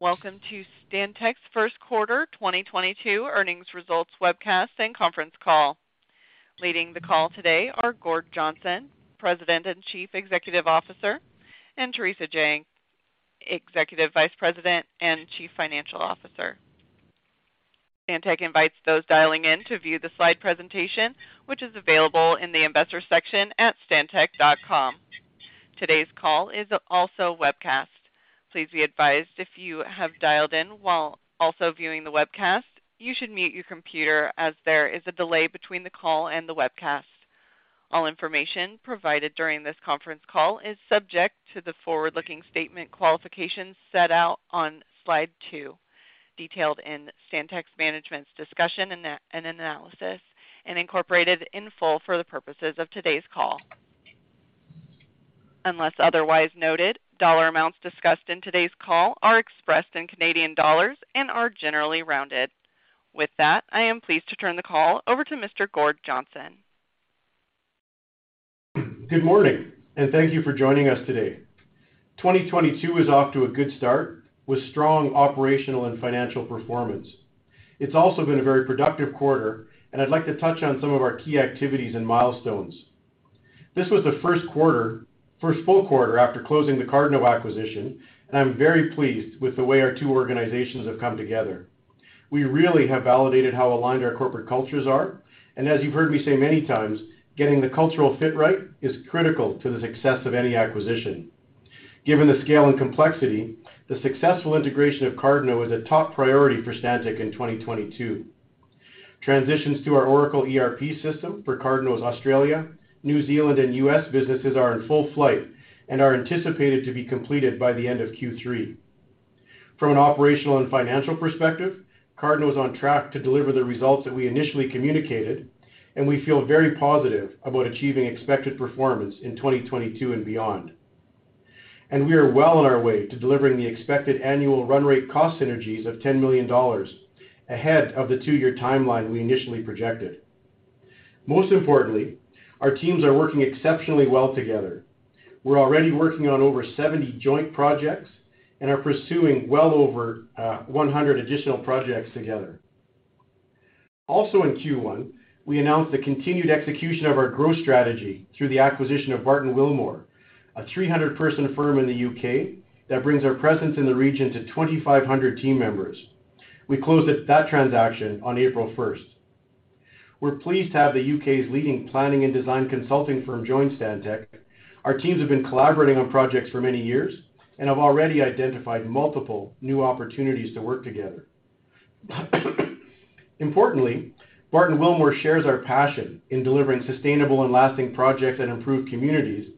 Welcome to Stantec's first quarter 2022 earnings results webcast and conference call. Leading the call today are Gord Johnston, President and Chief Executive Officer, and Theresa Jang, Executive Vice President and Chief Financial Officer. Stantec invites those dialing in to view the slide presentation, which is available in the Investors section at stantec.com. Today's call is also webcast. Please be advised if you have dialed in while also viewing the webcast, you should mute your computer as there is a delay between the call and the webcast. All information provided during this conference call is subject to the forward-looking statement qualifications set out on slide two, detailed in Stantec's management's discussion and analysis, and incorporated in full for the purposes of today's call. Unless otherwise noted, dollar amounts discussed in today's call are expressed in Canadian dollars and are generally rounded. With that, I am pleased to turn the call over to Mr. Gord Johnston. Good morning, and thank you for joining us today. 2022 is off to a good start with strong operational and financial performance. It's also been a very productive quarter, and I'd like to touch on some of our key activities and milestones. This was the first full quarter after closing the Cardno acquisition, and I'm very pleased with the way our two organizations have come together. We really have validated how aligned our corporate cultures are, and as you've heard me say many times, getting the cultural fit right is critical to the success of any acquisition. Given the scale and complexity, the successful integration of Cardno is a top priority for Stantec in 2022. Transitions to our Oracle ERP system for Cardno's Australia, New Zealand, and U.S. businesses are in full flight and are anticipated to be completed by the end of Q3. From an operational and financial perspective, Cardno is on track to deliver the results that we initially communicated, and we feel very positive about achieving expected performance in 2022 and beyond. We are well on our way to delivering the expected annual run rate cost synergies of 10 million dollars ahead of the two-year timeline we initially projected. Most importantly, our teams are working exceptionally well together. We're already working on over 70 joint projects and are pursuing well over 100 additional projects together. Also in Q1, we announced the continued execution of our growth strategy through the acquisition of Barton Willmore, a 300-person firm in the U.K. that brings our presence in the region to 2,500 team members. We closed that transaction on April 1. We're pleased to have the U.K.'s leading planning and design consulting firm join Stantec. Our teams have been collaborating on projects for many years and have already identified multiple new opportunities to work together. Importantly, Barton Willmore shares our passion in delivering sustainable and lasting projects that improve communities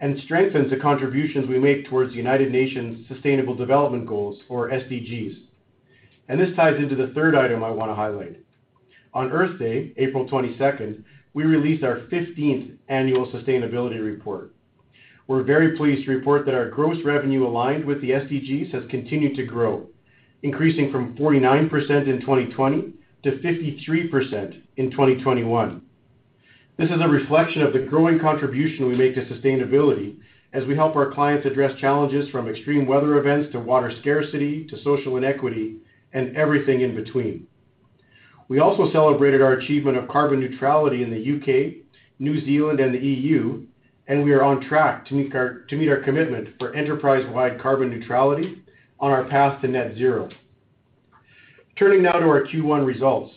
and strengthens the contributions we make towards the United Nations Sustainable Development Goals or SDGs. This ties into the third item I wanna highlight. On Earth Day, April 22, we released our fifteenth annual sustainability report. We're very pleased to report that our gross revenue aligned with the SDGs has continued to grow, increasing from 49% in 2020 to 53% in 2021. This is a reflection of the growing contribution we make to sustainability as we help our clients address challenges from extreme weather events to water scarcity to social inequity and everything in between. We also celebrated our achievement of carbon neutrality in the U.K., New Zealand, and the E.U., and we are on track to meet our commitment for enterprise-wide carbon neutrality on our path to net zero. Turning now to our Q1 results.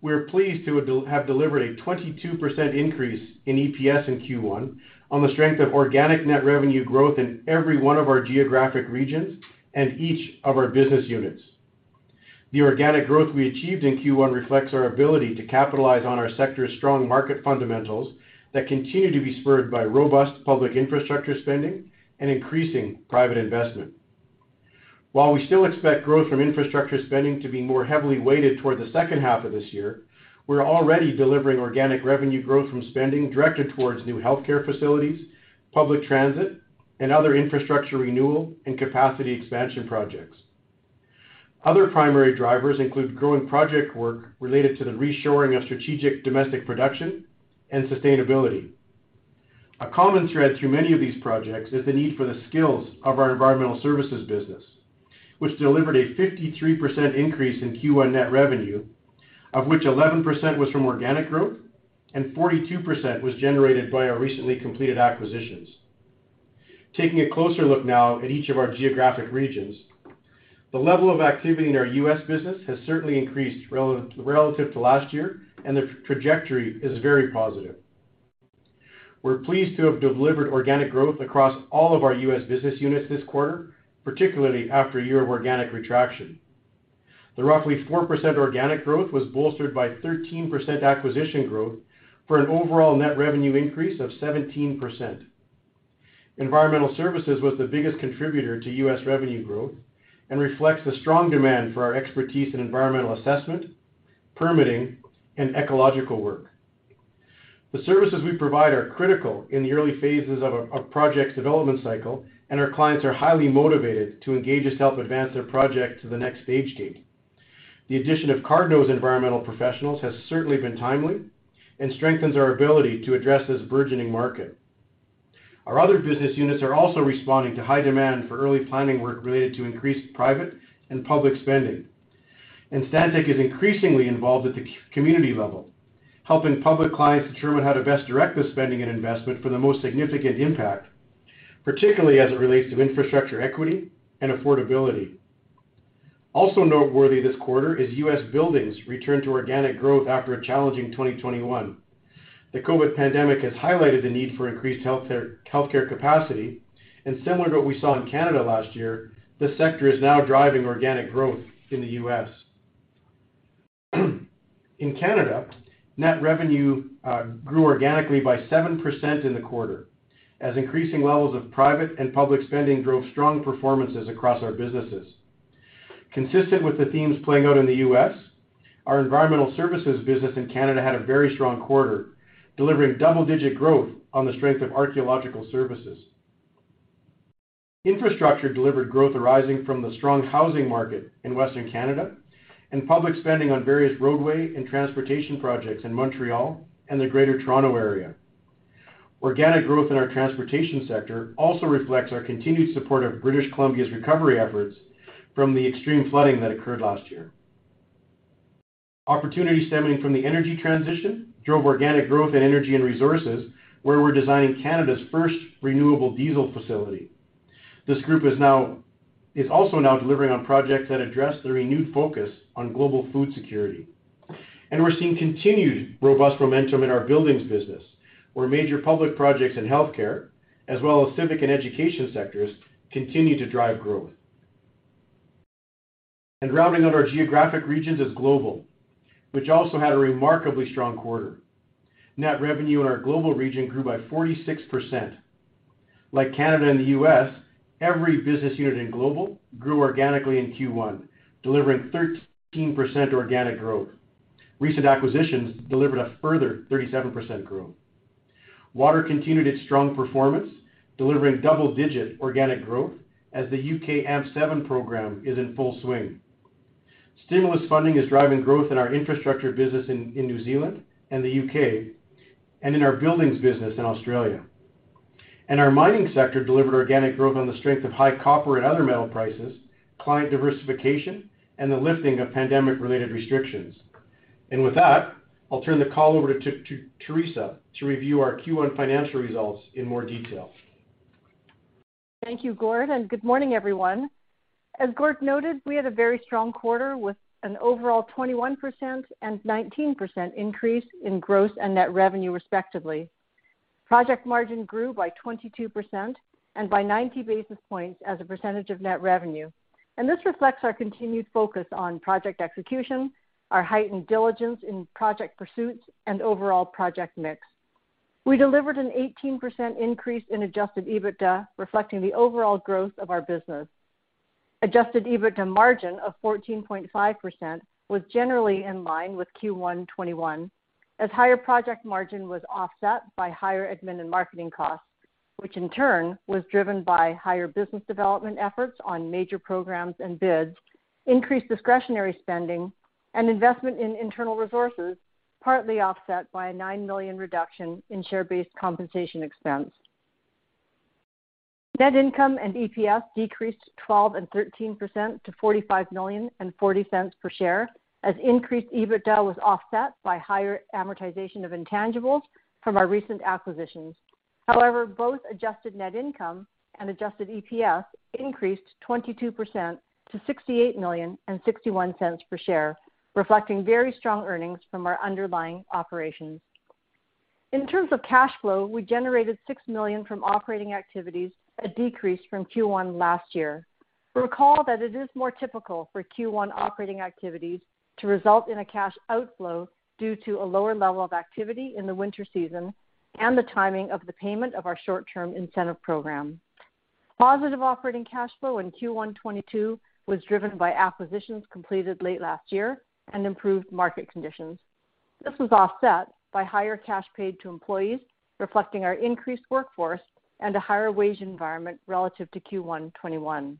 We're pleased to have delivered a 22% increase in EPS in Q1 on the strength of organic net revenue growth in every one of our geographic regions and each of our business units. The organic growth we achieved in Q1 reflects our ability to capitalize on our sector's strong market fundamentals that continue to be spurred by robust public infrastructure spending and increasing private investment. While we still expect growth from infrastructure spending to be more heavily weighted toward the second half of this year, we're already delivering organic revenue growth from spending directed towards new healthcare facilities, public transit, and other infrastructure renewal and capacity expansion projects. Other primary drivers include growing project work related to the reshoring of strategic domestic production and sustainability. A common thread through many of these projects is the need for the skills of our environmental services business, which delivered a 53% increase in Q1 net revenue, of which 11% was from organic growth and 42% was generated by our recently completed acquisitions. Taking a closer look now at each of our geographic regions, the level of activity in our U.S. business has certainly increased relative to last year, and the trajectory is very positive. We're pleased to have delivered organic growth across all of our U.S. business units this quarter, particularly after a year of organic retraction. The roughly 4% organic growth was bolstered by 13% acquisition growth for an overall net revenue increase of 17%. Environmental services was the biggest contributor to U.S. revenue growth and reflects the strong demand for our expertise in environmental assessment, permitting, and ecological work. The services we provide are critical in the early phases of a project's development cycle, and our clients are highly motivated to engage us to help advance their project to the next stage gate. The addition of Cardno's environmental professionals has certainly been timely and strengthens our ability to address this burgeoning market. Our other business units are also responding to high demand for early planning work related to increased private and public spending. Stantec is increasingly involved at the community level, helping public clients determine how to best direct the spending and investment for the most significant impact, particularly as it relates to infrastructure equity and affordability. Also noteworthy this quarter is U.S. buildings returned to organic growth after a challenging 2021. The COVID pandemic has highlighted the need for increased healthcare capacity, and similar to what we saw in Canada last year, this sector is now driving organic growth in the U.S. In Canada, net revenue grew organically by 7% in the quarter as increasing levels of private and public spending drove strong performances across our businesses. Consistent with the themes playing out in the U.S., our environmental services business in Canada had a very strong quarter, delivering double-digit growth on the strength of archaeological services. Infrastructure delivered growth arising from the strong housing market in Western Canada and public spending on various roadway and transportation projects in Montreal and the Greater Toronto area. Organic growth in our transportation sector also reflects our continued support of British Columbia's recovery efforts from the extreme flooding that occurred last year. Opportunities stemming from the energy transition drove organic growth in energy and resources, where we're designing Canada's first renewable diesel facility. This group is also now delivering on projects that address the renewed focus on global food security. We're seeing continued robust momentum in our buildings business, where major public projects in healthcare, as well as civic and education sectors, continue to drive growth. Rounding out our geographic regions is Global, which also had a remarkably strong quarter. Net revenue in our Global region grew by 46%. Like Canada and the U.S., every business unit in Global grew organically in Q1, delivering 13% organic growth. Recent acquisitions delivered a further 37% growth. Water continued its strong performance, delivering double-digit organic growth as the U.K. AMP7 program is in full swing. Stimulus funding is driving growth in our infrastructure business in New Zealand and the U.K., and in our buildings business in Australia. Our mining sector delivered organic growth on the strength of high copper and other metal prices, client diversification, and the lifting of pandemic-related restrictions. With that, I'll turn the call over to Theresa to review our Q1 financial results in more detail. Thank you, Gord, and good morning, everyone. As Gord noted, we had a very strong quarter with an overall 21% and 19% increase in gross and net revenue, respectively. Project margin grew by 22% and by 90 basis points as a percentage of net revenue. This reflects our continued focus on project execution, our heightened diligence in project pursuits, and overall project mix. We delivered an 18% increase in adjusted EBITDA, reflecting the overall growth of our business. Adjusted EBITDA margin of 14.5% was generally in line with Q1 2021, as higher project margin was offset by higher admin and marketing costs, which in turn was driven by higher business development efforts on major programs and bids, increased discretionary spending, and investment in internal resources, partly offset by a 9 million reduction in share-based compensation expense. Net income and EPS decreased 12% and 13% to 45 million and 0.40 per share as increased EBITDA was offset by higher amortization of intangibles from our recent acquisitions. However, both adjusted net income and adjusted EPS increased 22% to 68 million and 0.61 per share, reflecting very strong earnings from our underlying operations. In terms of cash flow, we generated 6 million from operating activities, a decrease from Q1 last year. Recall that it is more typical for Q1 operating activities to result in a cash outflow due to a lower level of activity in the winter season and the timing of the payment of our short-term incentive program. Positive operating cash flow in Q1 2022 was driven by acquisitions completed late last year and improved market conditions. This was offset by higher cash paid to employees, reflecting our increased workforce and a higher wage environment relative to Q1 2021.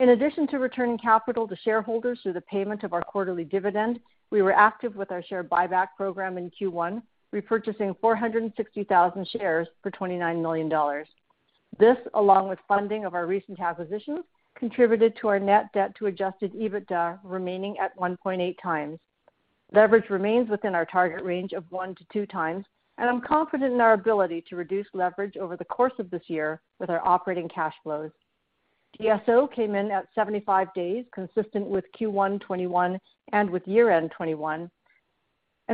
In addition to returning capital to shareholders through the payment of our quarterly dividend, we were active with our share buyback program in Q1, repurchasing 460,000 shares for 29 million dollars. This, along with funding of our recent acquisitions, contributed to our net debt to adjusted EBITDA remaining at 1.8 times. Leverage remains within our target range of 1-2 times, and I'm confident in our ability to reduce leverage over the course of this year with our operating cash flows. DSO came in at 75 days, consistent with Q1 2021 and with year-end 2021.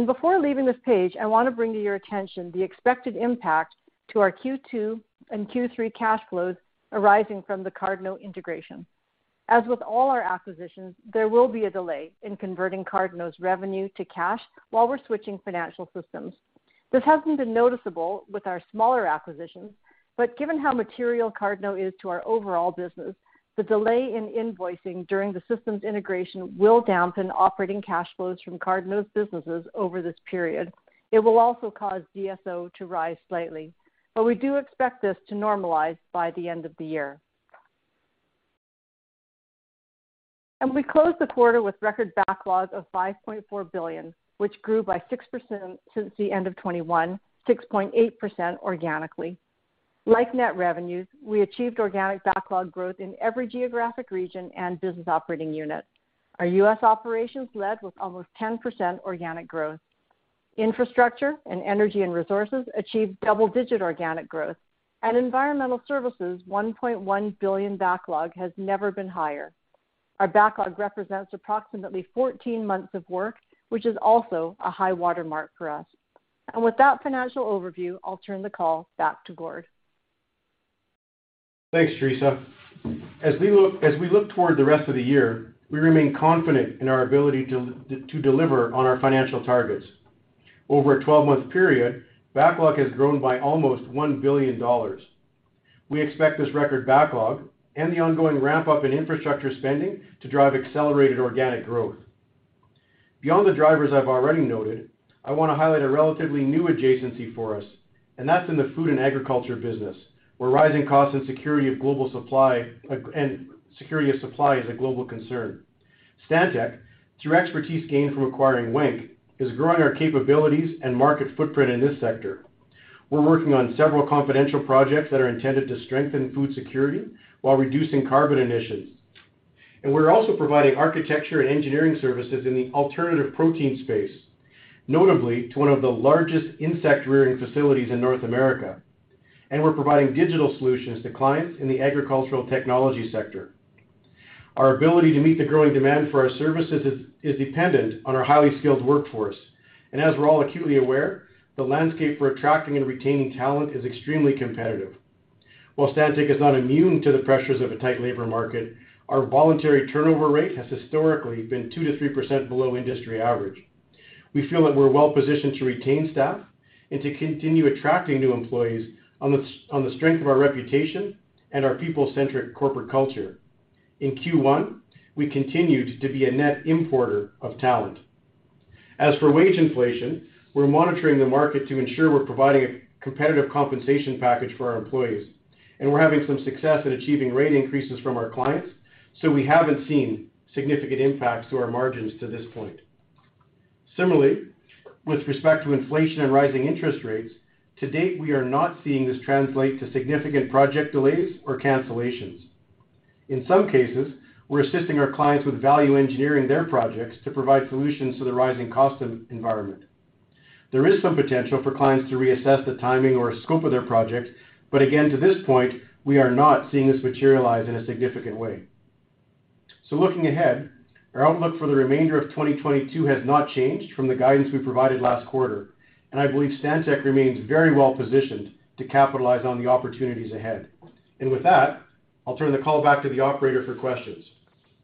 Before leaving this page, I want to bring to your attention the expected impact to our Q2 and Q3 cash flows arising from the Cardno integration. As with all our acquisitions, there will be a delay in converting Cardno's revenue to cash while we're switching financial systems. This hasn't been noticeable with our smaller acquisitions, but given how material Cardno is to our overall business, the delay in invoicing during the systems integration will dampen operating cash flows from Cardno's businesses over this period. It will also cause DSO to rise slightly. We do expect this to normalize by the end of the year. We closed the quarter with record backlogs of 5.4 billion, which grew by 6% since the end of 2021, 6.8% organically. Like net revenues, we achieved organic backlog growth in every geographic region and business operating unit. Our U.S. operations led with almost 10% organic growth. Infrastructure and energy and resources achieved double-digit organic growth. Environmental services 1.1 Billion backlog has never been higher. Our backlog represents approximately 14 months of work, which is also a high watermark for us. With that financial overview, I'll turn the call back to Gord. Thanks, Theresa. As we look toward the rest of the year, we remain confident in our ability to deliver on our financial targets. Over a 12-month period, backlog has grown by almost 1 billion dollars. We expect this record backlog and the ongoing ramp up in infrastructure spending to drive accelerated organic growth. Beyond the drivers I've already noted, I wanna highlight a relatively new adjacency for us, and that's in the food and agriculture business, where rising costs and security of global supply and security of supply is a global concern. Stantec, through expertise gained from acquiring Wenck, is growing our capabilities and market footprint in this sector. We're working on several confidential projects that are intended to strengthen food security while reducing carbon emissions. We're also providing architecture and engineering services in the alternative protein space, notably to one of the largest insect rearing facilities in North America. We're providing digital solutions to clients in the agricultural technology sector. Our ability to meet the growing demand for our services is dependent on our highly skilled workforce. As we're all acutely aware, the landscape for attracting and retaining talent is extremely competitive. While Stantec is not immune to the pressures of a tight labor market, our voluntary turnover rate has historically been 2%-3% below industry average. We feel that we're well-positioned to retain staff and to continue attracting new employees on the strength of our reputation and our people-centric corporate culture. In Q1, we continued to be a net importer of talent. As for wage inflation, we're monitoring the market to ensure we're providing a competitive compensation package for our employees, and we're having some success in achieving rate increases from our clients, so we haven't seen significant impacts to our margins to this point. Similarly, with respect to inflation and rising interest rates, to date, we are not seeing this translate to significant project delays or cancellations. In some cases, we're assisting our clients with value engineering their projects to provide solutions to the rising cost environment. There is some potential for clients to reassess the timing or scope of their project, but again, to this point, we are not seeing this materialize in a significant way. Looking ahead, our outlook for the remainder of 2022 has not changed from the guidance we provided last quarter, and I believe Stantec remains very well positioned to capitalize on the opportunities ahead. With that, I'll turn the call back to the operator for questions.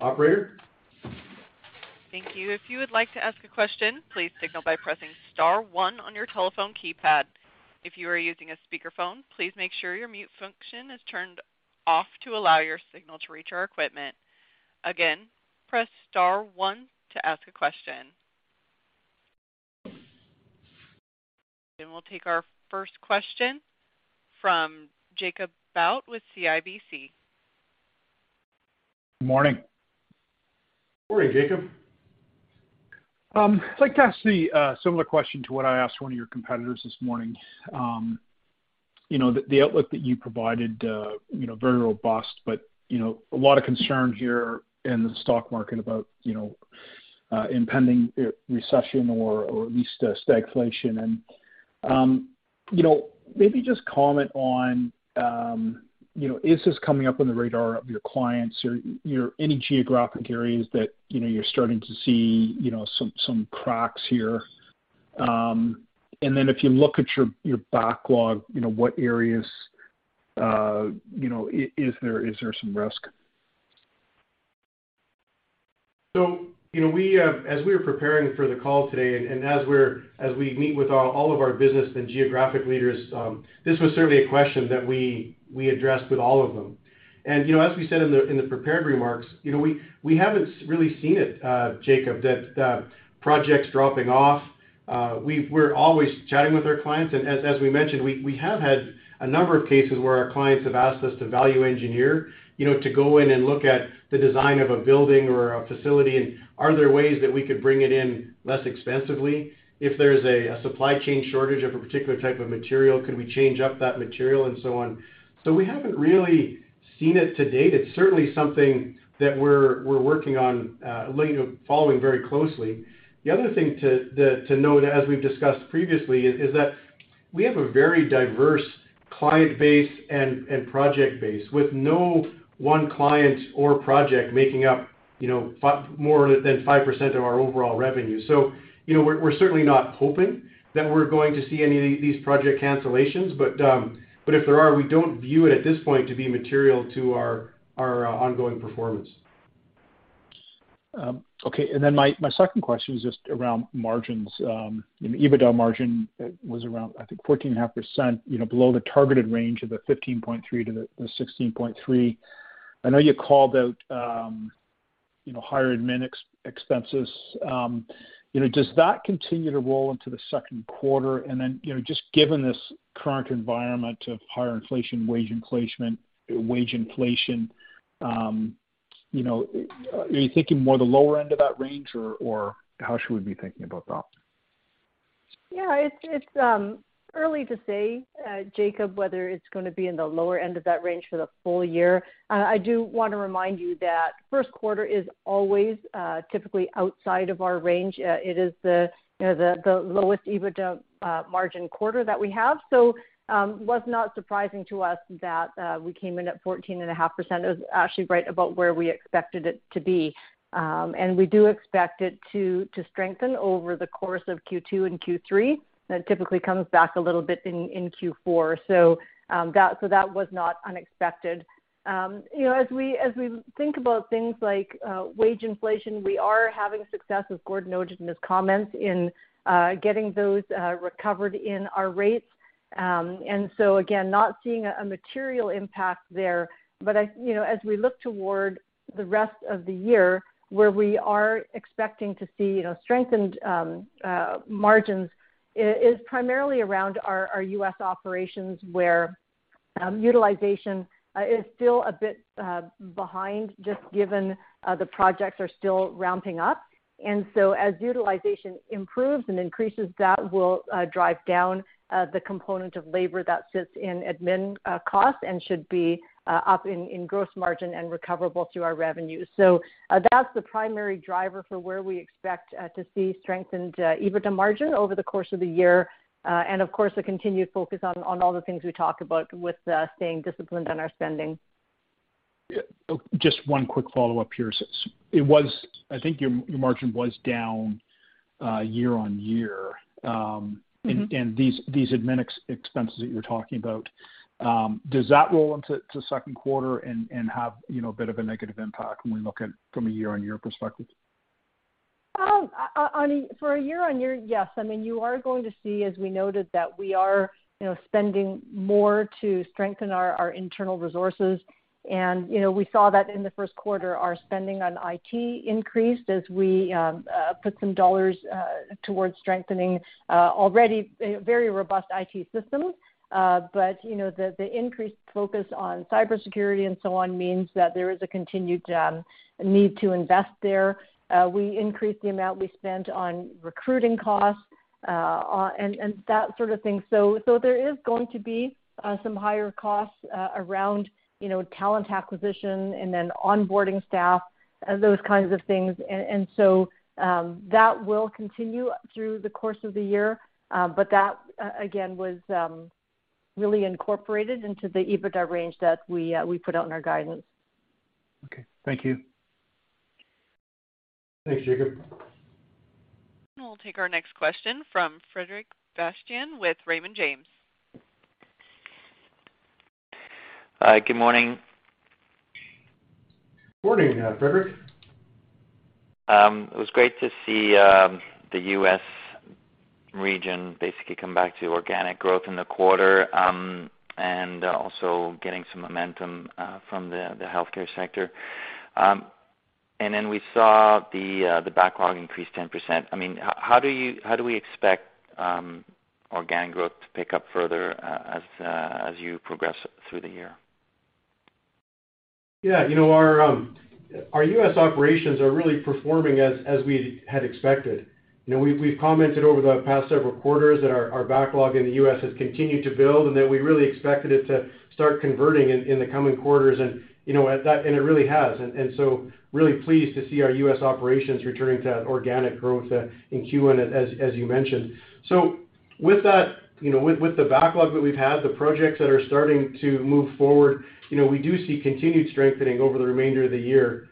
Operator? Thank you. If you would like to ask a question, please signal by pressing star one on your telephone keypad. If you are using a speakerphone, please make sure your mute function is turned off to allow your signal to reach our equipment. Again, press star one to ask a question. We'll take our first question from Jacob Bout with CIBC. Morning. Morning, Jacob. I'd like to ask a similar question to what I asked one of your competitors this morning. You know, the outlook that you provided, you know, very robust, but, you know, a lot of concern here in the stock market about, you know, impending recession or at least stagflation. You know, maybe just comment on, you know, is this coming up on the radar of your clients or in any geographic areas that, you know, you're starting to see, you know, some cracks here? Then if you look at your backlog, you know, what areas, you know, is there some risk? You know, we as we were preparing for the call today and as we meet with all of our business and geographic leaders, this was certainly a question that we addressed with all of them. You know, as we said in the prepared remarks, you know, we haven't really seen it, Jacob, that projects dropping off. We're always chatting with our clients, and as we mentioned, we have had a number of cases where our clients have asked us to value engineer, you know, to go in and look at the design of a building or a facility, and are there ways that we could bring it in less expensively? If there's a supply chain shortage of a particular type of material, could we change up that material and so on? We haven't really seen it to date. It's certainly something that we're working on, you know, following very closely. The other thing to note, as we've discussed previously, is that we have a very diverse client base and project base with no one client or project making up, you know, more than 5% of our overall revenue. You know, we're certainly not hoping that we're going to see any of these project cancellations, but if there are, we don't view it at this point to be material to our ongoing performance. Okay. My second question is just around margins. You know, EBITDA margin was around, I think, 14.5%, you know, below the targeted range of 15.3%-16.3%. I know you called out, you know, higher admin expenses. You know, does that continue to roll into the second quarter? You know, just given this current environment of higher inflation, wage inflation, you know, are you thinking more the lower end of that range or how should we be thinking about that? Yeah, it's early to say, Jacob, whether it's gonna be in the lower end of that range for the full year. I do wanna remind you that first quarter is always typically outside of our range. It is, you know, the lowest EBITDA margin quarter that we have. So, was not surprising to us that we came in at 14.5%. It was actually right about where we expected it to be. And we do expect it to strengthen over the course of Q2 and Q3, and it typically comes back a little bit in Q4. So, that was not unexpected. You know, as we think about things like wage inflation, we are having success, as Gordon noted in his comments, in getting those recovered in our rates. Again, not seeing a material impact there. I, you know, as we look toward the rest of the year, where we are expecting to see, you know, strengthened margins is primarily around our U.S. operations, where utilization is still a bit behind, just given the projects are still ramping up. As utilization improves and increases, that will drive down the component of labor that sits in admin costs and should be up in gross margin and recoverable through our revenues. That's the primary driver for where we expect to see strengthened EBITDA margin over the course of the year. Of course, a continued focus on all the things we talk about with staying disciplined on our spending. Yeah, just one quick follow-up here. I think your margin was down year-on-year. Mm-hmm. These admin expenses that you're talking about, does that roll into second quarter and have, you know, a bit of a negative impact when we look at it from a year-on-year perspective? I mean, for a year-over-year, yes. I mean, you are going to see, as we noted, that we are, you know, spending more to strengthen our internal resources. You know, we saw that in the first quarter, our spending on IT increased as we put some dollars towards strengthening already very robust IT systems. You know, the increased focus on cybersecurity and so on means that there is a continued need to invest there. We increased the amount we spent on recruiting costs, and that sort of thing. There is going to be some higher costs around, you know, talent acquisition and then onboarding staff, those kinds of things. That will continue through the course of the year, but that again was really incorporated into the EBITDA range that we put out in our guidance. Okay. Thank you. Thanks, Jacob. We'll take our next question from Frederic Bastien with Raymond James. Hi. Good morning. Morning, Frederic. It was great to see the US region basically come back to organic growth in the quarter, and also getting some momentum from the healthcare sector. Then we saw the backlog increase 10%. I mean, how do we expect organic growth to pick up further as you progress through the year? Yeah. You know, our U.S. operations are really performing as we had expected. You know, we've commented over the past several quarters that our backlog in the U.S. has continued to build, and that we really expected it to start converting in the coming quarters. You know, it really has. So really pleased to see our U.S. operations returning to that organic growth in Q1, as you mentioned. With that, you know, with the backlog that we've had, the projects that are starting to move forward, you know, we do see continued strengthening over the remainder of the year.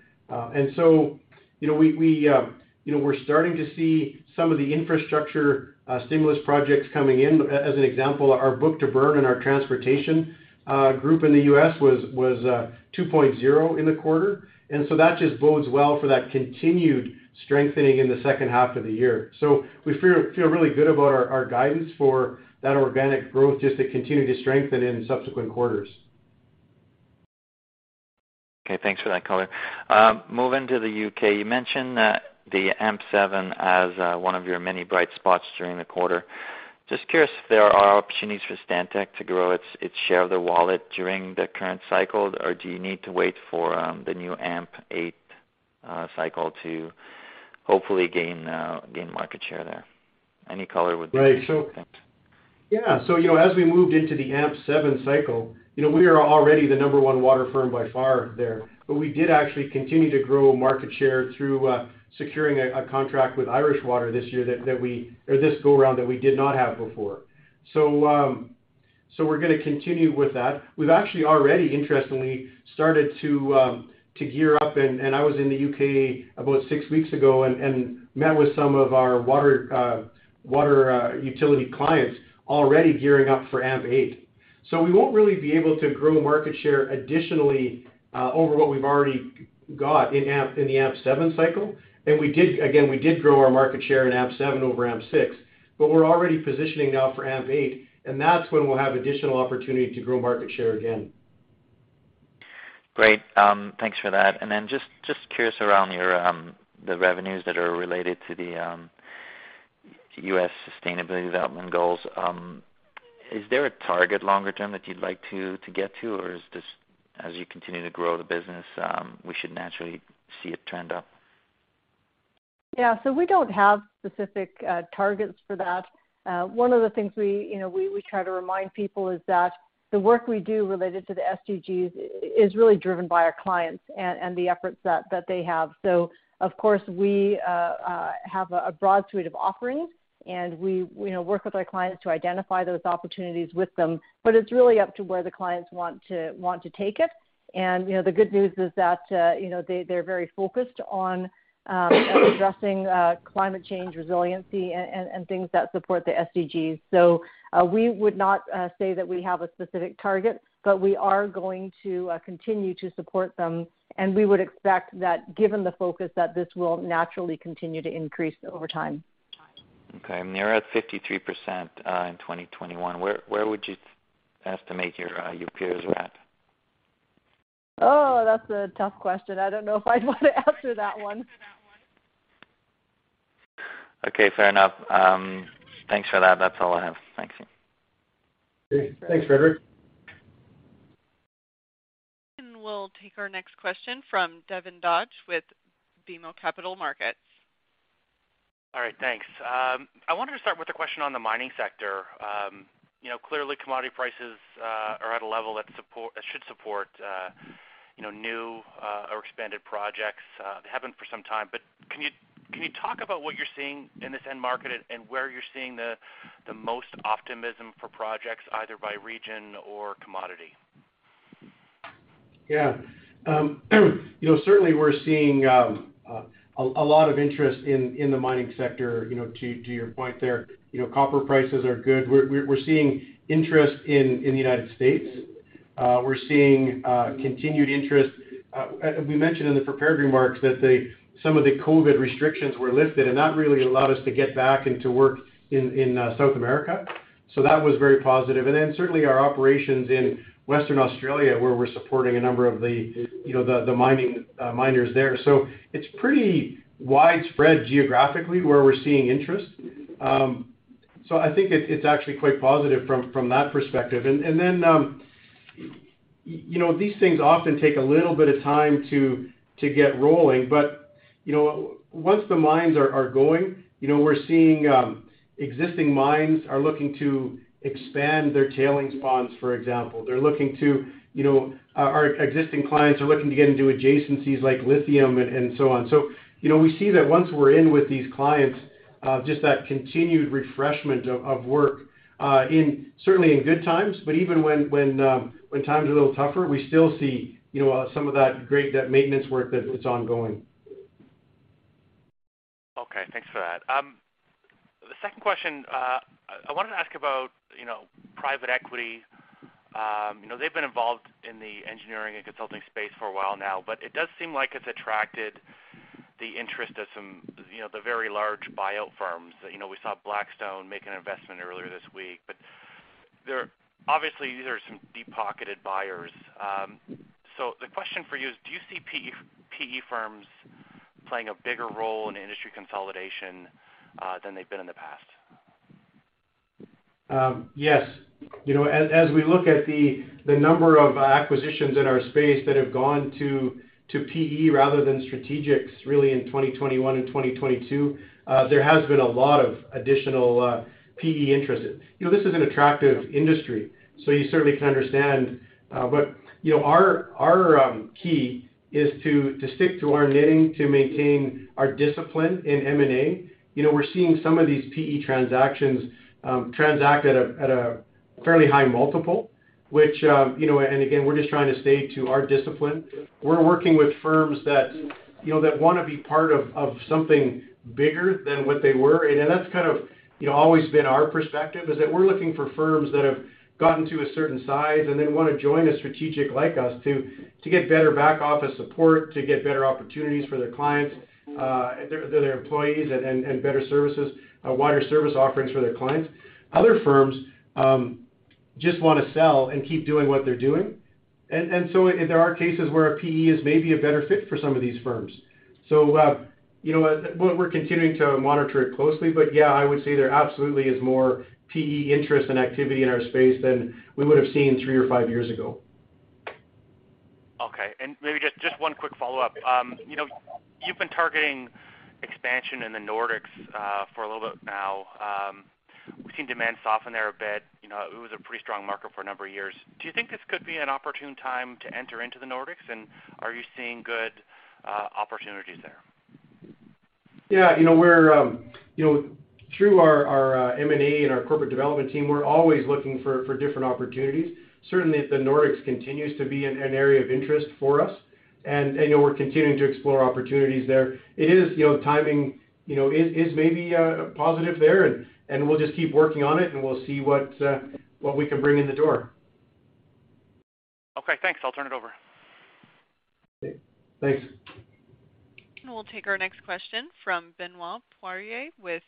You know, we're starting to see some of the infrastructure stimulus projects coming in. As an example, our book-to-burn in our transportation group in the U.S. was 2.0 in the quarter. That just bodes well for that continued strengthening in the second half of the year. We feel really good about our guidance for that organic growth just to continue to strengthen in subsequent quarters. Okay. Thanks for that color. Moving to the UK, you mentioned the AMP7 as one of your many bright spots during the quarter. Just curious if there are opportunities for Stantec to grow its share of the wallet during the current cycle, or do you need to wait for the new AMP8 cycle to hopefully gain market share there? Any color would be helpful. Thanks. Right. Yeah. You know, as we moved into the AMP7 cycle, you know, we are already the number one water firm by far there, but we did actually continue to grow market share through securing a contract with Irish Water this year that we, or this go around, that we did not have before. We're gonna continue with that. We've actually already interestingly started to gear up. I was in the U.K. about six weeks ago and met with some of our water utility clients already gearing up for AMP8. We won't really be able to grow market share additionally over what we've already got in the AMP7 cycle. We did, again, grow our market share in AMP7 over AMP6, but we're already positioning now for AMP8, and that's when we'll have additional opportunity to grow market share again. Great. Thanks for that. Just curious around your the revenues that are related to the UN Sustainable Development Goals. Is there a target longer term that you'd like to get to? Or is this as you continue to grow the business, we should naturally see it trend up? Yeah. We don't have specific targets for that. One of the things we, you know, try to remind people is that the work we do related to the SDGs is really driven by our clients and the efforts that they have. Of course, we have a broad suite of offerings, and we, you know, work with our clients to identify those opportunities with them. It's really up to where the clients want to take it. You know, the good news is that, you know, they're very focused on addressing climate change resiliency and things that support the SDGs. We would not say that we have a specific target, but we are going to continue to support them, and we would expect that given the focus that this will naturally continue to increase over time. Okay. You're at 53% in 2021. Where would you estimate your peers are at? Oh, that's a tough question. I don't know if I'd want to answer that one. Okay, fair enough. Thanks for that. That's all I have. Thanks. Thanks, Frederic. We'll take our next question from Devin Dodge with BMO Capital Markets. All right. Thanks. I wanted to start with a question on the mining sector. You know, clearly commodity prices are at a level that should support, you know, new or expanded projects. They haven't for some time. Can you talk about what you're seeing in this end market and where you're seeing the most optimism for projects, either by region or commodity? Yeah. You know, certainly we're seeing a lot of interest in the mining sector, you know, to your point there. You know, copper prices are good. We're seeing interest in the United States. We're seeing continued interest. We mentioned in the prepared remarks that some of the COVID restrictions were lifted, and that really allowed us to get back into work in South America. So that was very positive. Certainly our operations in Western Australia, where we're supporting a number of the miners there. So it's pretty widespread geographically where we're seeing interest. So I think it's actually quite positive from that perspective. You know, these things often take a little bit of time to get rolling. You know, once the mines are going, you know, we're seeing existing mines looking to expand their tailings ponds, for example. They're looking to, you know, our existing clients looking to get into adjacencies like lithium and so on. You know, we see that once we're in with these clients, just that continued refreshment of work in certainly in good times, but even when times are a little tougher, we still see, you know, some of that maintenance work that it's ongoing. Okay, thanks for that. The second question I wanted to ask about, you know, private equity. You know, they've been involved in the engineering and consulting space for a while now, but it does seem like it's attracted the interest of some, you know, the very large buyout firms. You know, we saw Blackstone make an investment earlier this week, but there are obviously, these are some deep-pocketed buyers. So the question for you is, do you see PE firms playing a bigger role in industry consolidation than they've been in the past? You know, as we look at the number of acquisitions in our space that have gone to PE rather than strategics really in 2021 and 2022, there has been a lot of additional PE interest. You know, this is an attractive industry, so you certainly can understand. You know, our key is to stick to our knitting, to maintain our discipline in M&A. You know, we're seeing some of these PE transactions transact at a fairly high multiple, which you know, and again, we're just trying to stay to our discipline. We're working with firms that you know that wanna be part of something bigger than what they were. That's kind of, you know, always been our perspective, is that we're looking for firms that have gotten to a certain size and then wanna join a strategic like us to get better back office support, to get better opportunities for their clients, their employees and better services, wider service offerings for their clients. Other firms just wanna sell and keep doing what they're doing. There are cases where a PE is maybe a better fit for some of these firms. You know, we're continuing to monitor it closely. Yeah, I would say there absolutely is more PE interest and activity in our space than we would have seen three or five years ago. Okay. Maybe just one quick follow-up. You know, you've been targeting expansion in the Nordics for a little bit now. We've seen demand soften there a bit. You know, it was a pretty strong market for a number of years. Do you think this could be an opportune time to enter into the Nordics? Are you seeing good opportunities there? Yeah. You know, we're you know, through our M&A and our corporate development team, we're always looking for different opportunities. Certainly, the Nordics continues to be an area of interest for us. You know, we're continuing to explore opportunities there. It is you know, timing you know, is maybe positive there, and we'll just keep working on it, and we'll see what we can bring in the door. Okay, thanks. I'll turn it over. Thanks. We'll take our next question from Benoit Poirier with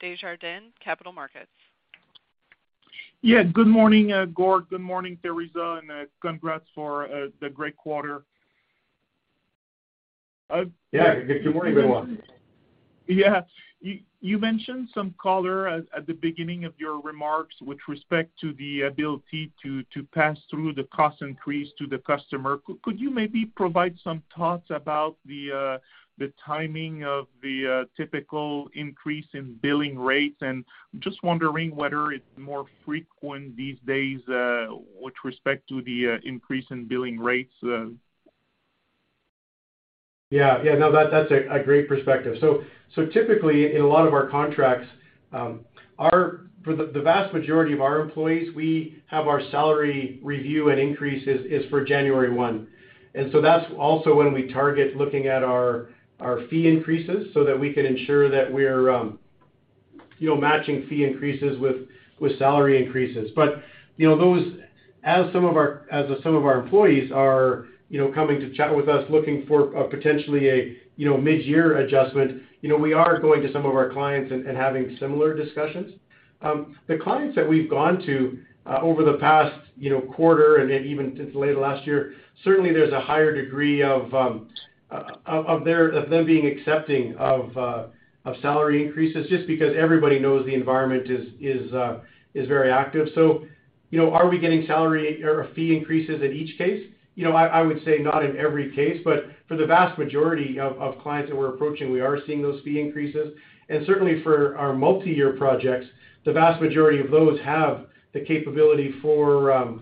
Desjardins Capital Markets. Yeah. Good morning, Gord. Good morning, Theresa, and congrats for the great quarter. Yeah. Good morning, everyone. Yeah. You mentioned some color at the beginning of your remarks with respect to the ability to pass through the cost increase to the customer. Could you maybe provide some thoughts about the timing of the typical increase in billing rates? Just wondering whether it's more frequent these days with respect to the increase in billing rates. Yeah. Yeah. No. That's a great perspective. Typically in a lot of our contracts, for the vast majority of our employees, we have our salary review and increases is for January one. That's also when we target looking at our fee increases so that we can ensure that we're you know matching fee increases with salary increases. You know, as some of our employees are you know coming to chat with us, looking for a potentially you know midyear adjustment, you know we are going to some of our clients and having similar discussions. The clients that we've gone to, over the past, you know, quarter and then even late last year, certainly there's a higher degree of them being accepting of salary increases just because everybody knows the environment is very active. You know, are we getting salary or fee increases in each case? You know, I would say not in every case, but for the vast majority of clients that we're approaching, we are seeing those fee increases. Certainly for our multi-year projects, the vast majority of those have the capability for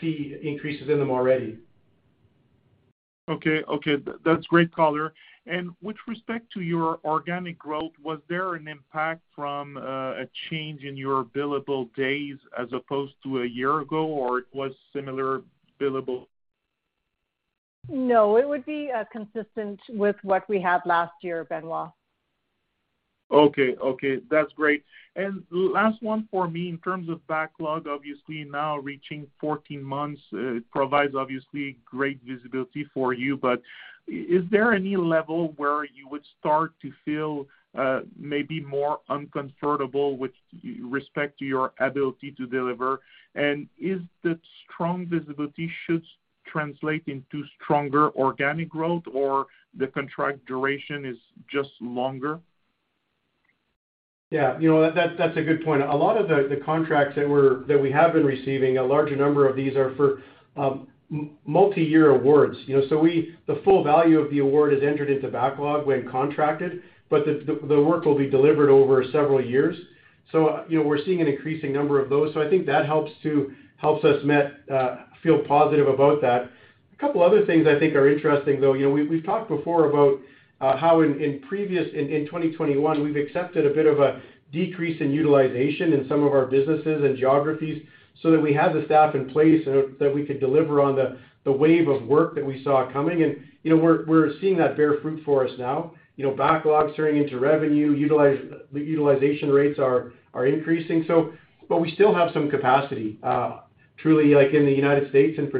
fee increases in them already. Okay. That's great color. With respect to your organic growth, was there an impact from a change in your billable days as opposed to a year ago, or it was similar billable? No, it would be consistent with what we had last year, Benoit. Okay. That's great. Last one for me. In terms of backlog, obviously, now reaching 14 months, provides obviously great visibility for you. But is there any level where you would start to feel, maybe more uncomfortable with respect to your ability to deliver? Is the strong visibility should translate into stronger organic growth or the contract duration is just longer? Yeah. You know, that's a good point. A lot of the contracts that we have been receiving, a larger number of these are for multi-year awards, you know. The full value of the award is entered into backlog when contracted, but the work will be delivered over several years. You know, we're seeing an increasing number of those. I think that helps us feel positive about that. A couple other things I think are interesting, though. You know, we've talked before about how in 2021, we've accepted a bit of a decrease in utilization in some of our businesses and geographies so that we have the staff in place and that we could deliver on the wave of work that we saw coming. You know, we're seeing that bear fruit for us now. You know, backlogs turning into revenue, utilization rates are increasing. But we still have some capacity, truly, like in the United States in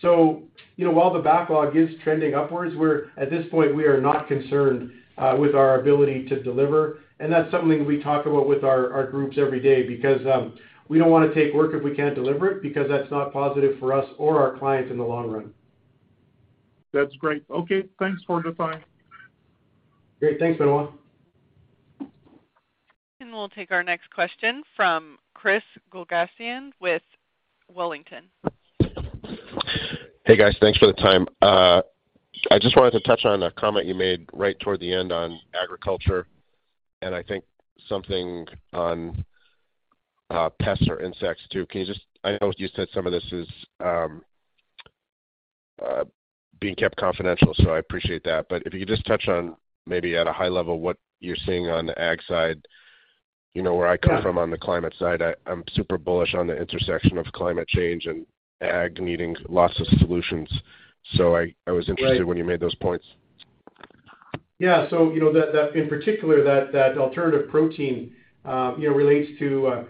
particular. You know, while the backlog is trending upwards, at this point, we are not concerned with our ability to deliver. That's something we talk about with our groups every day because we don't wanna take work if we can't deliver it because that's not positive for us or our clients in the long run. That's great. Okay, thanks for the time. Great. Thanks, Benoit. We'll take our next question from Chris Goolgasian with Wellington. Hey, guys. Thanks for the time. I just wanted to touch on a comment you made right toward the end on agriculture, and I think something on pests or insects too. I know you said some of this is being kept confidential, so I appreciate that. If you could just touch on maybe at a high level what you're seeing on the ag side? You know, where I come from on the climate side, I'm super bullish on the intersection of climate change and ag needing lots of solutions. I was interested. Right. When you made those points. Yeah. You know, that in particular, that alternative protein relates to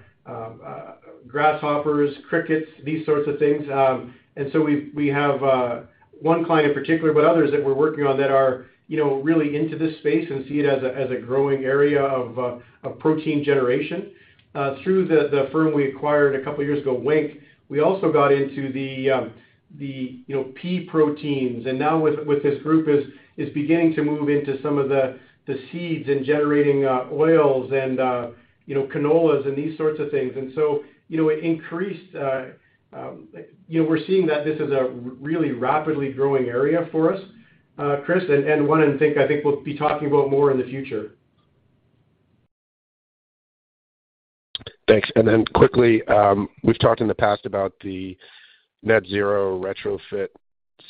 grasshoppers, crickets, these sorts of things. We have one client in particular, but others that we're working on that are, you know, really into this space and see it as a growing area of a protein generation. Through the firm we acquired a couple of years ago, Wenck, we also got into the pea proteins. Now with this group is beginning to move into some of the seeds and generating oils and canolas and these sorts of things. You know, it increased, you know, we're seeing that this is a really rapidly growing area for us, Chris, and one I think we'll be talking about more in the future. Thanks. Then quickly, we've talked in the past about the net zero retrofit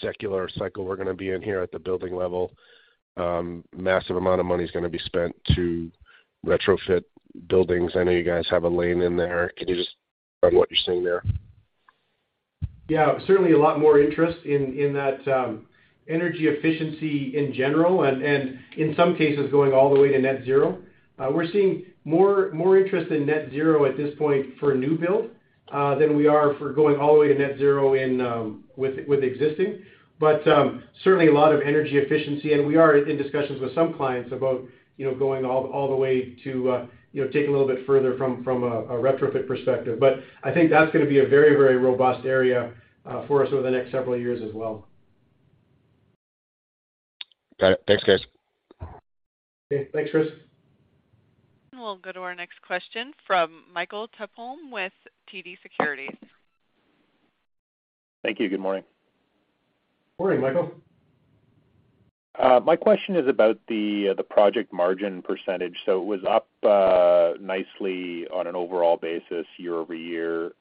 secular cycle we're gonna be in here at the building level. Massive amount of money is gonna be spent to retrofit buildings. I know you guys have a lane in there. Can you just Yeah. On what you're seeing there? Yeah. Certainly a lot more interest in that, energy efficiency in general, and in some cases going all the way to net zero. We're seeing more interest in net zero at this point for a new build than we are for going all the way to net zero in with existing. Certainly a lot of energy efficiency, and we are in discussions with some clients about, you know, going all the way to, you know, take a little bit further from a retrofit perspective. I think that's gonna be a very robust area for us over the next several years as well. Got it. Thanks, guys. Okay, thanks, Chris. We'll go to our next question from Michael Tupholme with TD Securities. Thank you. Good morning. Morning, Michael. My question is about the project margin percentage. It was up nicely on an overall basis year-over-year,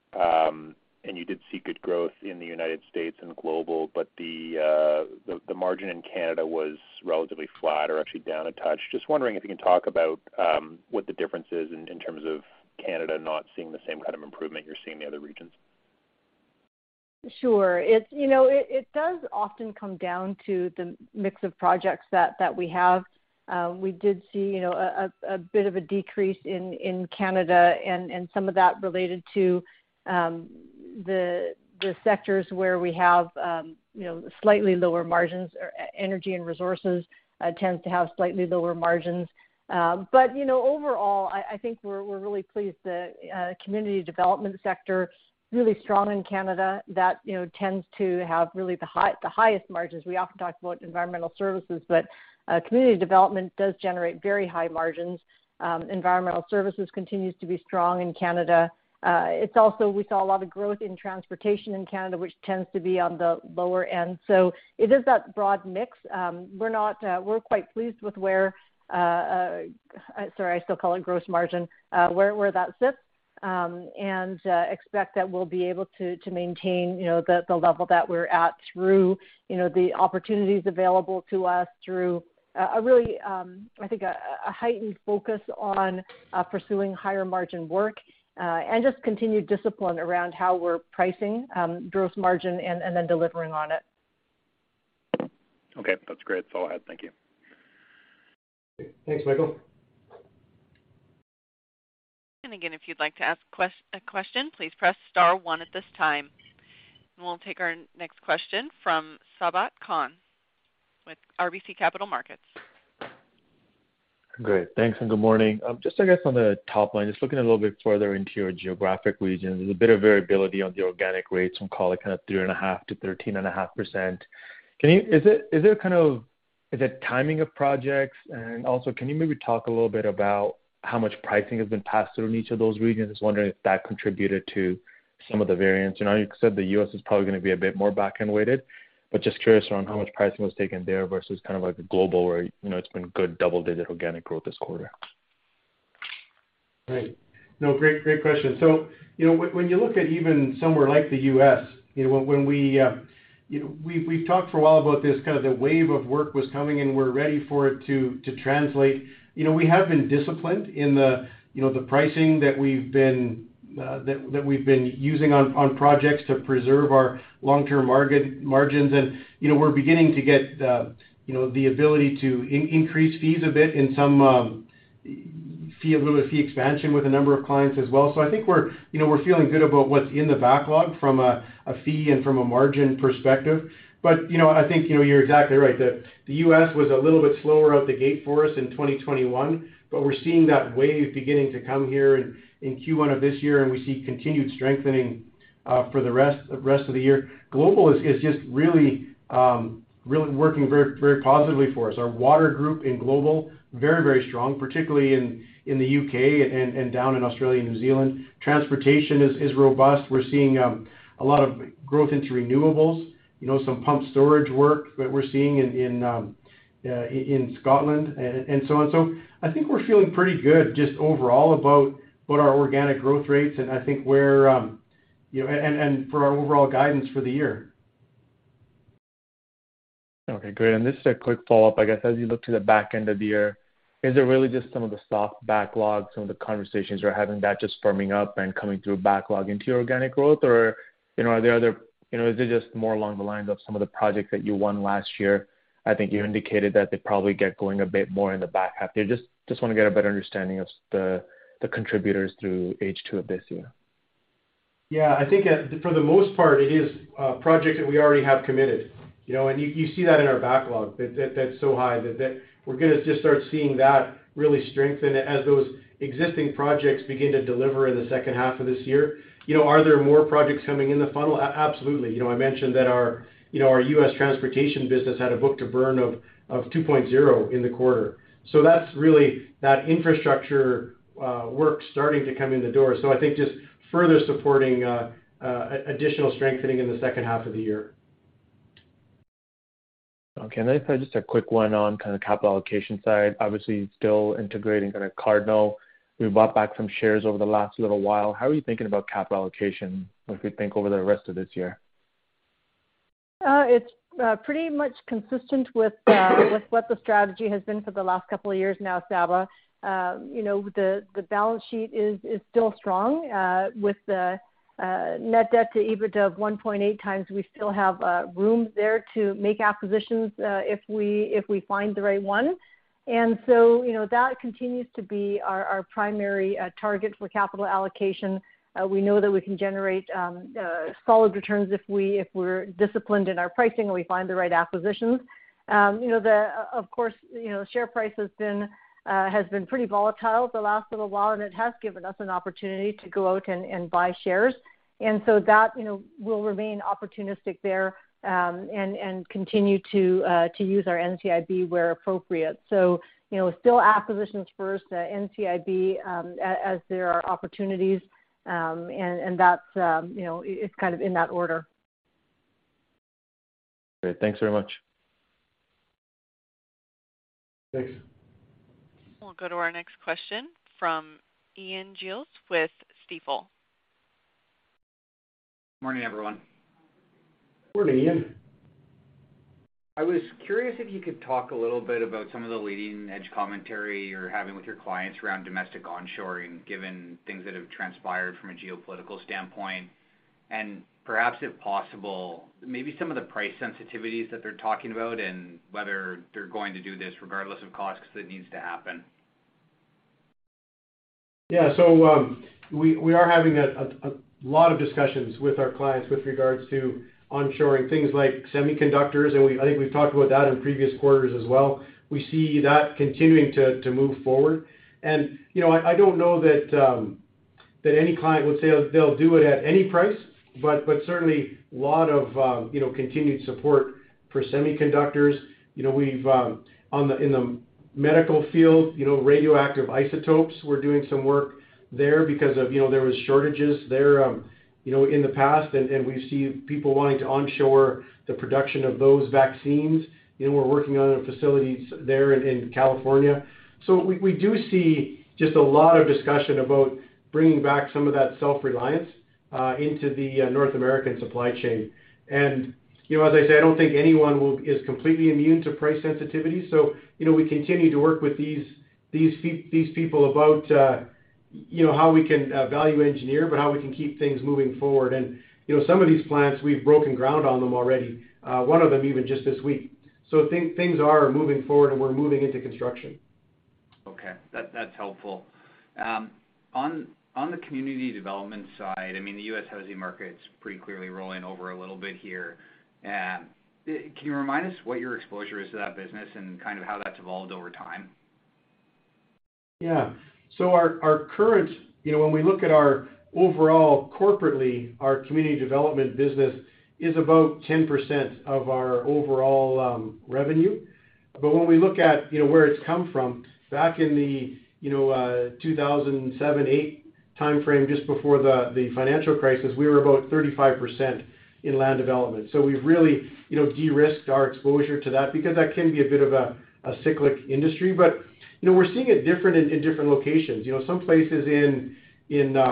and you did see good growth in the United States and global, but the margin in Canada was relatively flat or actually down a touch. Just wondering if you can talk about what the difference is in terms of Canada not seeing the same kind of improvement you're seeing in the other regions. Sure. It's, you know, it does often come down to the mix of projects that we have. We did see, you know, a bit of a decrease in Canada and some of that related to the sectors where we have, you know, slightly lower margins. Energy and resources tends to have slightly lower margins. You know, overall, I think we're really pleased that community development sector really strong in Canada, that, you know, tends to have really the highest margins. We often talk about environmental services, but community development does generate very high margins. Environmental services continues to be strong in Canada. It's also we saw a lot of growth in transportation in Canada, which tends to be on the lower end. It is that broad mix. We're quite pleased with where, sorry, I still call it gross margin, where that sits, and expect that we'll be able to maintain, you know, the level that we're at through, you know, the opportunities available to us through a really, I think, a heightened focus on pursuing higher margin work, and just continued discipline around how we're pricing gross margin and then delivering on it. Okay, that's great. That's all I had. Thank you. Thanks, Michael. Again, if you'd like to ask a question, please press star one at this time. We'll take our next question from Sabahat Khan with RBC Capital Markets. Great. Thanks, and good morning. Just I guess on the top line, just looking a little bit further into your geographic regions, there's a bit of variability on the organic rates from call it, kind of 3.5%-13.5%. Is it kind of timing of projects? Can you maybe talk a little bit about how much pricing has been passed through in each of those regions? Just wondering if that contributed to some of the variance. I know you said the U.S. is probably gonna be a bit more back-end weighted, but just curious around how much pricing was taken there versus kind of like the global where, you know, it's been good double-digit organic growth this quarter. Right. No, great question. You know, when you look at even somewhere like the U.S., you know, when we, you know, we've talked for a while about this kind of the wave of work was coming, and we're ready for it to translate. You know, we have been disciplined in the, you know, the pricing that we've been, that we've been using on projects to preserve our long-term margins. You know, we're beginning to get, you know, the ability to increase fees a bit in some, fee, a little bit fee expansion with a number of clients as well. I think we're, you know, we're feeling good about what's in the backlog from a fee and from a margin perspective. You know, I think, you know, you're exactly right. The U.S. was a little bit slower out the gate for us in 2021, but we're seeing that wave beginning to come here in Q1 of this year, and we see continued strengthening for the rest of the year. Global is just really really working very very positively for us. Our water group in Global very very strong, particularly in the U.K. and down in Australia and New Zealand. Transportation is robust. We're seeing a lot of growth into renewables, you know, some pump storage work that we're seeing in Scotland and so on. So I think we're feeling pretty good just overall about what our organic growth rates and I think we're you know and for our overall guidance for the year. Okay, great. This is a quick follow-up, I guess. As you look to the back end of the year, is it really just some of the soft backlog, some of the conversations you're having that just firming up and coming through backlog into your organic growth? Or, you know, are there other, you know, is it just more along the lines of some of the projects that you won last year? I think you indicated that they probably get going a bit more in the back half there. Just wanna get a better understanding of the contributors through H2 of this year. Yeah. I think, for the most part, it is projects that we already have committed. You know, you see that in our backlog that's so high that we're gonna just start seeing that really strengthen as those existing projects begin to deliver in the second half of this year. You know, are there more projects coming in the funnel? Absolutely. You know, I mentioned that our US transportation business had a book to burn of 2.0 in the quarter. That's really that infrastructure work starting to come in the door. I think just further supporting additional strengthening in the second half of the year. Okay. Just a quick one on kind of capital allocation side. Obviously, still integrating kind of Cardno. We bought back some shares over the last little while. How are you thinking about capital allocation, like, we think over the rest of this year? It's pretty much consistent with what the strategy has been for the last couple of years now, Sabahat. You know, the balance sheet is still strong with the net debt to EBITDA of 1.8 times. We still have room there to make acquisitions if we find the right one. You know, that continues to be our primary target for capital allocation. We know that we can generate solid returns if we're disciplined in our pricing, and we find the right acquisitions. You know, of course, you know, share price has been pretty volatile the last little while, and it has given us an opportunity to go out and buy shares. That, you know, will remain opportunistic there, and continue to use our NCIB where appropriate. You know, still acquisitions first, NCIB, as there are opportunities, and that's, you know, it's kind of in that order. Great. Thanks very much. Thanks. We'll go to our next question from Ian Gillies with Stifel. Morning, everyone. Morning, Ian. I was curious if you could talk a little bit about some of the leading edge commentary you're having with your clients around domestic onshoring, given things that have transpired from a geopolitical standpoint. Perhaps if possible, maybe some of the price sensitivities that they're talking about, and whether they're going to do this regardless of cost because it needs to happen. We are having a lot of discussions with our clients with regards to onshoring things like semiconductors, and I think we've talked about that in previous quarters as well. We see that continuing to move forward. You know, I don't know that any client would say they'll do it at any price, but certainly a lot of you know continued support for semiconductors. You know, in the medical field, you know, radioactive isotopes, we're doing some work there because of you know there was shortages there you know in the past and we see people wanting to onshore the production of those vaccines. You know, we're working on facilities there in California. We do see just a lot of discussion about bringing back some of that self-reliance into the North American supply chain. You know, as I say, I don't think anyone is completely immune to price sensitivity. You know, we continue to work with these people about how we can value engineer, but how we can keep things moving forward. You know, some of these plants, we've broken ground on them already, one of them even just this week. Things are moving forward, and we're moving into construction. Okay. That's helpful. On the community development side, I mean, the U.S. housing market's pretty clearly rolling over a little bit here. Can you remind us what your exposure is to that business and kind of how that's evolved over time? Yeah. You know, when we look at our overall corporately, our community development business is about 10% of our overall revenue. When we look at, you know, where it's come from, back in the, you know, 2007-2008 timeframe, just before the financial crisis, we were about 35% in land development. We've really, you know, de-risked our exposure to that because that can be a bit of a cyclical industry. You know, we're seeing it different in different locations. You know, some places in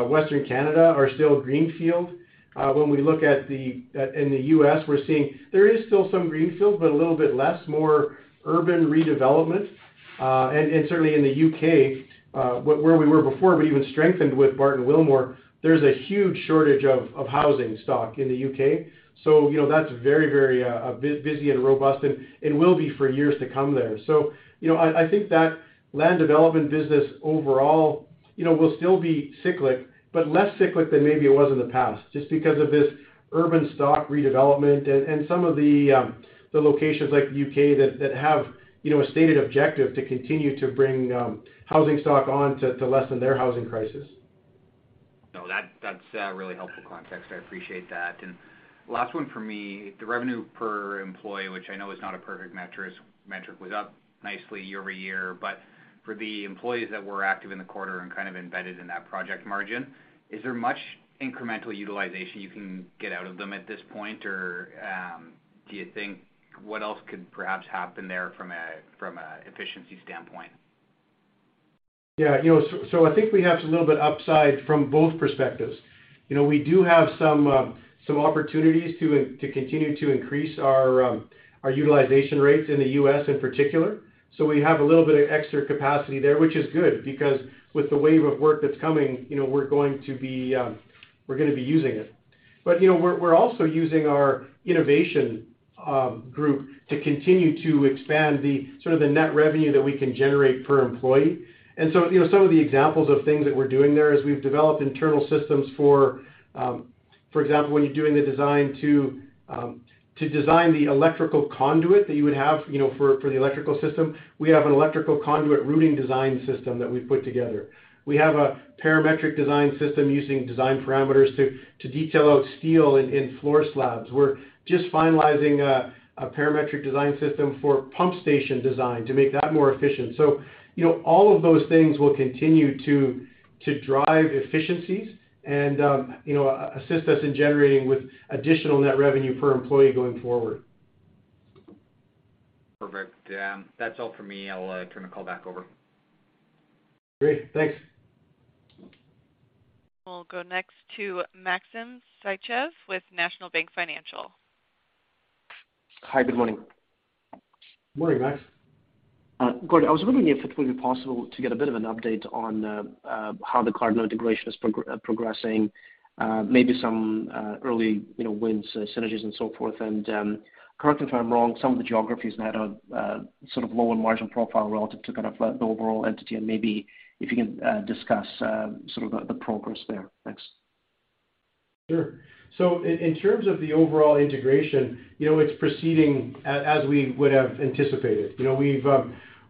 Western Canada are still greenfield. When we look in the U.S., we're seeing there is still some greenfield, but a little bit less, more urban redevelopment. Certainly in the UK, where we were before, we even strengthened with Barton Willmore. There's a huge shortage of housing stock in the UK. You know, that's very busy and robust and will be for years to come there. You know, I think that land development business overall, you know, will still be cyclic, but less cyclic than maybe it was in the past just because of this urban stock redevelopment and some of the locations like UK that have, you know, a stated objective to continue to bring housing stock on to lessen their housing crisis. No, that's really helpful context. I appreciate that. Last one for me. The revenue per employee, which I know is not a perfect metric, was up nicely year-over-year. For the employees that were active in the quarter and kind of embedded in that project margin, is there much incremental utilization you can get out of them at this point? Or, do you think what else could perhaps happen there from an efficiency standpoint? Yeah. You know, I think we have a little bit upside from both perspectives. You know, we do have some opportunities to continue to increase our utilization rates in the US in particular. We have a little bit of extra capacity there, which is good because with the wave of work that's coming, you know, we're gonna be using it. You know, we're also using our innovation group to continue to expand the sort of the net revenue that we can generate per employee. You know, some of the examples of things that we're doing there is we've developed internal systems for example, when you're doing the design to design the electrical conduit that you would have, you know, for the electrical system, we have an electrical conduit routing design system that we've put together. We have a parametric design system using design parameters to detail out steel in floor slabs. We're just finalizing a parametric design system for pump station design to make that more efficient. You know, all of those things will continue to drive efficiencies and, you know, assist us in generating with additional net revenue per employee going forward. Perfect. That's all for me. I'll turn the call back over. Great. Thanks. We'll go next to Maxim Sytchev with National Bank Financial. Hi, good morning. Morning, Max. Gord, I was wondering if it would be possible to get a bit of an update on how the Cardno integration is progressing, maybe some early, you know, wins, synergies and so forth. Correct me if I'm wrong, some of the geographies had a sort of low end margin profile relative to kind of the overall entity, and maybe if you can discuss some of the progress there. Thanks. Sure. In terms of the overall integration, you know, it's proceeding as we would have anticipated.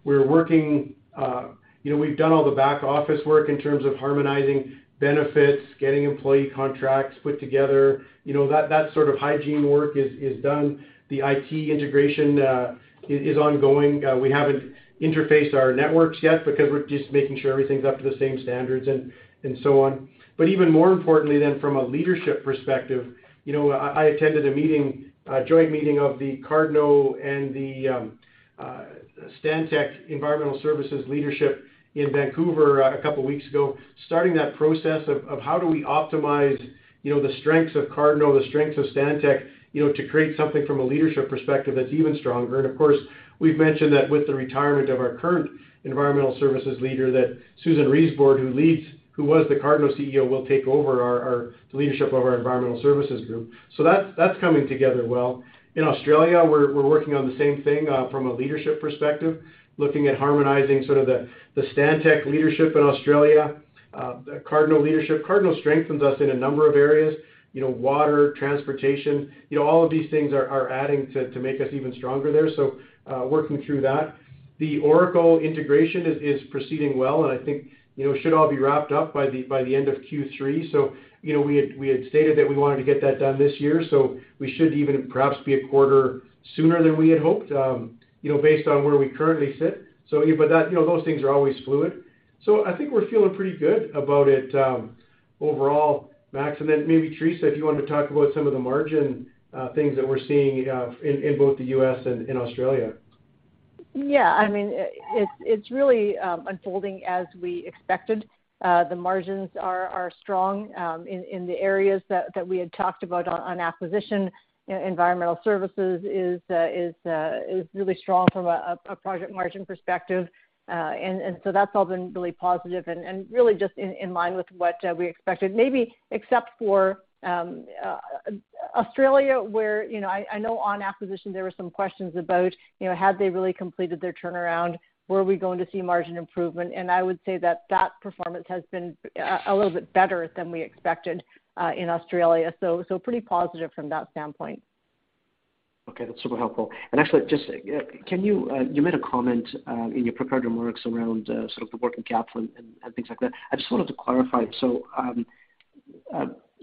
You know, we've done all the back office work in terms of harmonizing benefits, getting employee contracts put together. You know, that sort of hygiene work is done. The IT integration is ongoing. We haven't interfaced our networks yet because we're just making sure everything's up to the same standards and so on. But even more importantly than from a leadership perspective, you know, I attended a meeting, a joint meeting of the Cardno and the Stantec Environmental Services leadership in Vancouver a couple weeks ago, starting that process of how do we optimize, you know, the strengths of Cardno, the strengths of Stantec, you know, to create something from a leadership perspective that's even stronger. Of course, we've mentioned that with the retirement of our current environmental services leader, that Susan Reisbord, who was the Cardno CEO, will take over our leadership of our environmental services group. That's coming together well. In Australia, we're working on the same thing from a leadership perspective, looking at harmonizing sort of the Stantec leadership in Australia, the Cardno leadership. Cardno strengthens us in a number of areas, you know, water, transportation, you know, all of these things are adding to make us even stronger there. Working through that. The Oracle integration is proceeding well, and I think, you know, should all be wrapped up by the end of Q3. You know, we had stated that we wanted to get that done this year, so we should even perhaps be a quarter sooner than we had hoped, you know, based on where we currently sit. That, you know, those things are always fluid. I think we're feeling pretty good about it, overall, Max. Maybe Theresa, if you wanted to talk about some of the margin things that we're seeing in both the U.S. and in Australia. Yeah, I mean, it's really unfolding as we expected. The margins are strong in the areas that we had talked about on acquisition. Environmental Services is really strong from a project margin perspective. That's all been really positive and really just in line with what we expected. Maybe except for Australia, where, you know, I know on acquisition there were some questions about, you know, had they really completed their turnaround? Were we going to see margin improvement? I would say that performance has been a little bit better than we expected in Australia. Pretty positive from that standpoint. Okay, that's super helpful. Actually, just, you made a comment in your prepared remarks around sort of the working capital and things like that. I just wanted to clarify.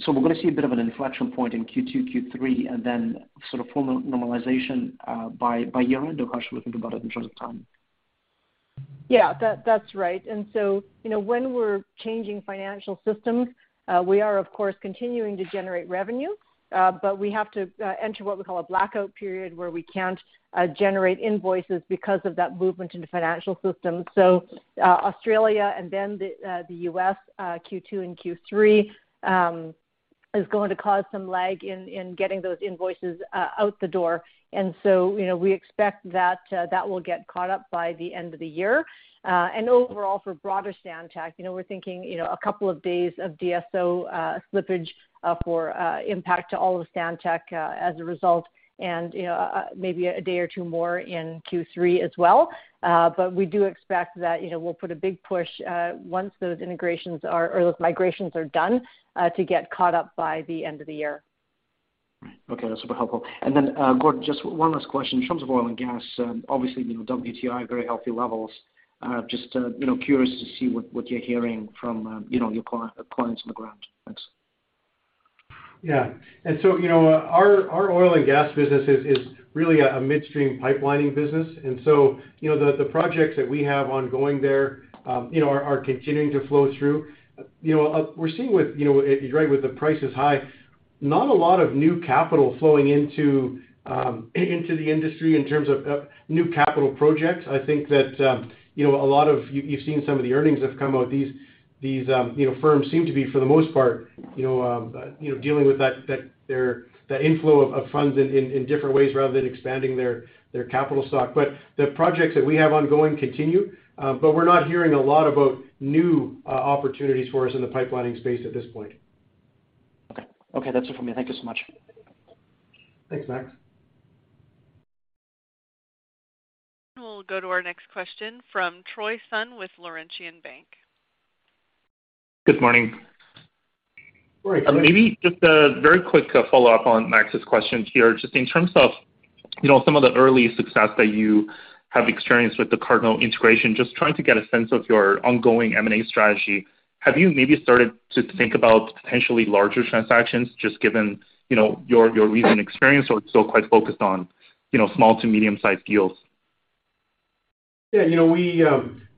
We're gonna see a bit of an inflection point in Q2, Q3, and then sort of full normalization by year-end, or how should we think about it in terms of time? Yeah, that's right. You know, when we're changing financial systems, we are of course continuing to generate revenue, but we have to enter what we call a blackout period, where we can't generate invoices because of that movement in the financial system. Australia and then the US, Q2 and Q3, is going to cause some lag in getting those invoices out the door. You know, we expect that will get caught up by the end of the year. Overall for broader Stantec, you know, we're thinking a couple of days of DSO slippage for impact to all of Stantec as a result and, you know, maybe a day or two more in Q3 as well. We do expect that, you know, we'll put a big push once those integrations are, or those migrations are done, to get caught up by the end of the year. Right. Okay, that's super helpful. Gordon, just one last question. In terms of oil and gas, obviously, you know, WTI very healthy levels. Just, you know, curious to see what you're hearing from, you know, your clients on the ground. Thanks. Yeah. You know, our oil and gas business is really a midstream pipelining business. You know, the projects that we have ongoing there, you know, are continuing to flow through. You know, we're seeing, you know, you're right, with the prices high, not a lot of new capital flowing into the industry in terms of new capital projects. I think that, you know, a lot of you've seen some of the earnings that have come out. These firms seem to be, for the most part, you know, dealing with that, the inflow of funds in different ways rather than expanding their capital stock. The projects that we have ongoing continue, but we're not hearing a lot about new opportunities for us in the pipelining space at this point. Okay, that's it for me. Thank you so much. Thanks, Max. We'll go to our next question from Troy Sun with Laurentian Bank. Good morning. Morning, Troy. Maybe just a very quick follow-up on Max's question here. Just in terms of, you know, some of the early success that you have experienced with the Cardno integration, just trying to get a sense of your ongoing M&A strategy. Have you maybe started to think about potentially larger transactions, just given, you know, your recent experience, or still quite focused on, you know, small to medium-sized deals? Yeah, you know,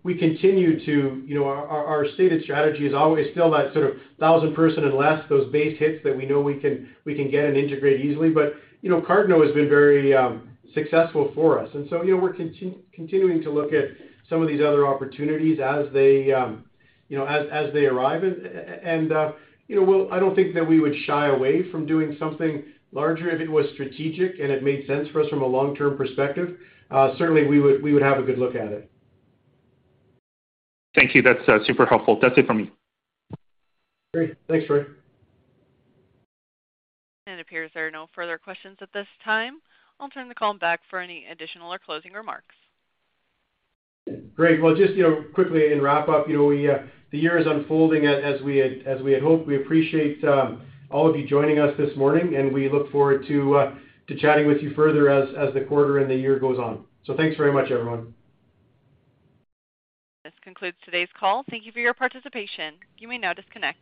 we continue to, you know, our stated strategy is always still that sort of thousand person and less, those base hits that we know we can get and integrate easily. You know, Cardno has been very successful for us. You know, we're continuing to look at some of these other opportunities as they, you know, as they arrive. You know, I don't think that we would shy away from doing something larger if it was strategic and it made sense for us from a long-term perspective. Certainly, we would have a good look at it. Thank you. That's super helpful. That's it from me. Great. Thanks, Troy. It appears there are no further questions at this time. I'll turn the call back for any additional or closing remarks. Great. Well, just, you know, quickly in wrap up, you know, the year is unfolding as we had hoped. We appreciate all of you joining us this morning, and we look forward to chatting with you further as the quarter and the year goes on. Thanks very much, everyone. This concludes today's call. Thank you for your participation. You may now disconnect.